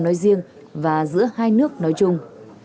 nói riêng và giữa hai nước nói chung